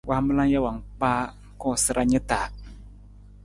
Waamala jawang kpaa koosara ni ta.